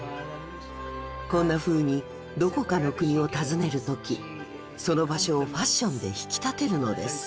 こんなふうにどこかの国を訪ねる時その場所をファッションで引き立てるのです。